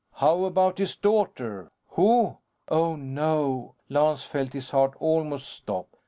"How about his daughter?" "Who?" Oh, no! Lance felt his heart almost stop.